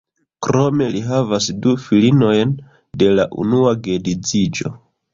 Krome li havas du filinojn de la unua geedziĝo.